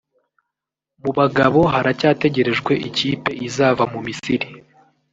Mu bagabo haracyategerejwe ikipe izava mu Misiri